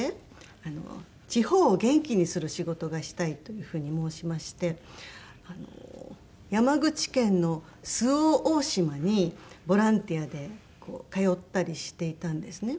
あの地方を元気にする仕事がしたいという風に申しまして山口県の周防大島にボランティアで通ったりしていたんですね。